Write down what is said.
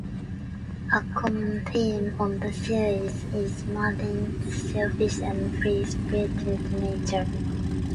A common theme of the series is Martin's selfish and free-spirited nature.